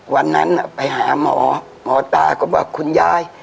วันนั้นไปหาหมอหมอตาก็บอกคุณยาย